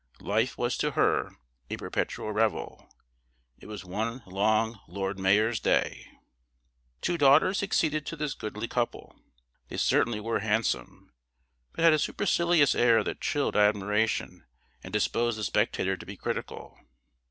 Life was to her a perpetual revel; it was one long Lord Mayor's Day. Two daughters succeeded to this goodly couple. They certainly were handsome, but had a supercilious air that chilled admiration and disposed the spectator to be critical.